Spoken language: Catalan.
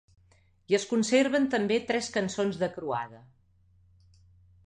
I es conserven també tres cançons de croada.